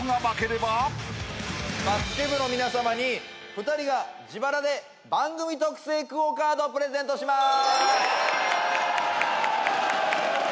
バスケ部の皆さまに２人が自腹で番組特製ＱＵＯカードをプレゼントします。